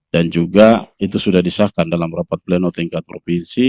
dan juga itu sudah disahkan dalam rapat pleno tingkat provinsi